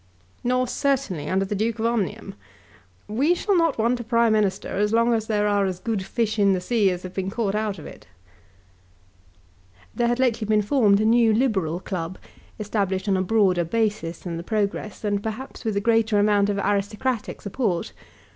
"Nor certainly under the Duke of Omnium. We shall not want a Prime Minister as long as there are as good fish in the sea as have been caught out of it." There had lately been formed a new Liberal club, established on a broader basis than the Progress, and perhaps with a greater amount of aristocratic support.